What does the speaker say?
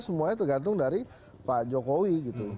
semuanya tergantung dari pak jokowi gitu